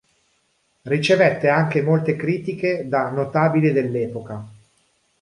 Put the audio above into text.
Ricevette anche molte critiche da notabili dell'epoca.